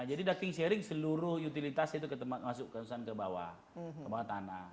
jadi dating sharing seluruh utilitas itu masuk ke bawah ke bawah tanah